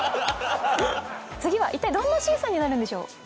次はいったいどんな審査になるんでしょう。